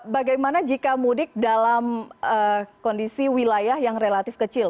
bagaimana jika mudik dalam kondisi wilayah yang relatif kecil